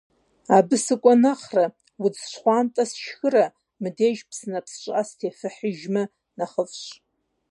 Абы сыкӀуэ нэхърэ, удз щхъуантӀэ сшхырэ, мыбдеж псынэпс щӀыӀэ сыщытефыхьыжмэ, нэхъыфӀщ.